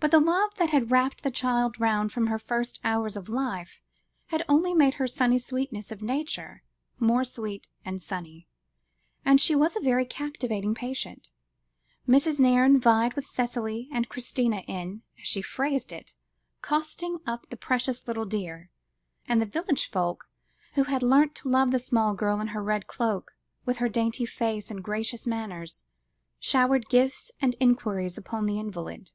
But the love that had wrapped the child round from her first hours of life, had only made her sunny sweetness of nature more sweet and sunny, and she was a very captivating patient. Mrs. Nairne vied with Cicely and Christina in, as she phrased it, "cosseting" up the precious little dear, and the village folk who had learnt to love the small girl in her red cloak, with her dainty face and gracious manners, showered gifts and enquiries upon the invalid.